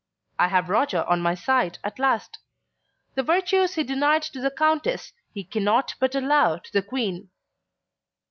I have Roger on my side at last. The virtues he denied to the Countess he cannot but allow to the Queen.